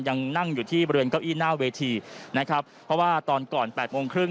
ยังนั่งอยู่ที่บริเวณเก้าอี้หน้าเวทีนะครับเพราะว่าตอนก่อนแปดโมงครึ่ง